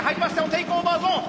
テイクオーバーゾーン。